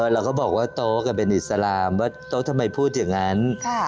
เราก็บอกว่าโต๊กันเป็นอิสลามว่าโต๊ะทำไมพูดอย่างนั้น